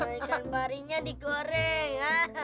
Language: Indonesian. ikan parinya digoreng